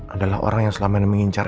adalah orang yang selama ini mengincar